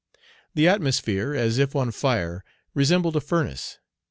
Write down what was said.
The atmosphere, as if on fire, resembled a furnace.